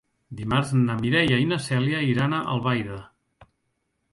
Dimarts na Mireia i na Cèlia iran a Albaida.